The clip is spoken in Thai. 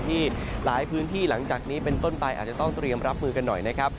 ที่หลายพื้นที่หลังจากนี้เป็นต้นไปอาจจะต้องเตรียมรับมือกันหน่อยนะครับ